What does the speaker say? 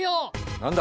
何だ？